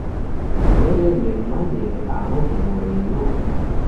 W'ele ndemm'anyire agho ghighorelo